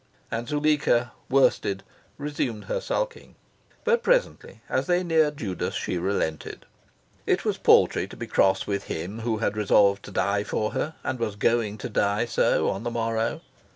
And Zuleika, worsted, resumed her sulking. But presently, as they neared Judas, she relented. It was paltry to be cross with him who had resolved to die for her and was going to die so on the morrow.